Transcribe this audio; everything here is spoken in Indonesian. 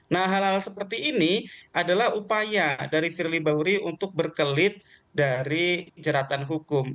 nah hal hal seperti ini adalah upaya dari firly bahuri untuk berkelit dari jeratan hukum